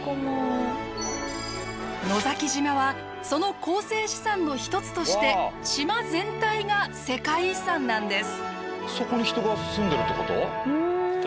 野崎島はその構成資産の一つとして島全体が世界遺産なんです。